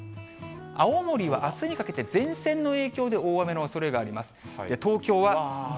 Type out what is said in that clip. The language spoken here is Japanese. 青森はあすにかけて、前線の影響で大雨のおそれがあります。